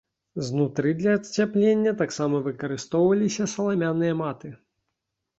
Знутры для ацяплення таксама выкарыстоўваліся саламяныя маты.